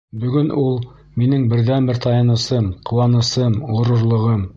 Бөгөн ул — минең берҙән-бер таянысым, ҡыуанысым, ғорурлығым.